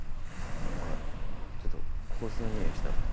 ほらちょっと香水のにおいしたろ